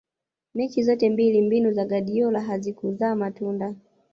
mechi zote mbili mbinu za guardiola hazikuzaa matunda